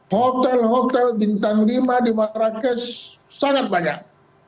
hotel hotel bintang lima di marrakesh sangat banyak